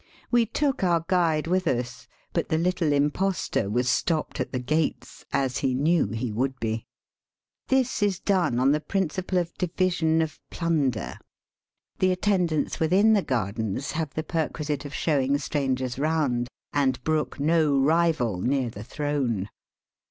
We took our guide with us, but the little impostor was stopped at the gates, as he knew he would be. This is done on the principle of division of plunder. The attendants within the gardens have the perquisite of showing strangers round, and brook no rival near the throne.